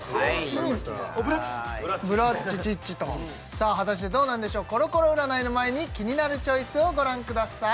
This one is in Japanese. ブラッチチッチとさあ果たしてどうなんでしょうコロコロ占いの前にキニナルチョイスをご覧ください